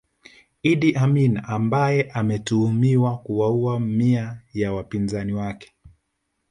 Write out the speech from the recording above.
Idi Amin ambaye anatuhumiwa kuwaua mamia ya wapinzani wake